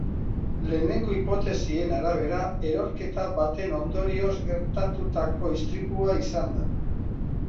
Lehenengo hipotesien arabera, erorketa baten ondorioz gertatutako istripua izan da.